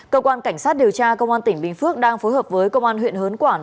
cơ quan cảnh sát điều tra công an tỉnh bình phước đang phối hợp với công an huyện hớn quản